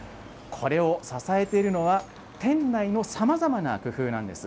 これを支えているのは、店内のさまざまな工夫なんです。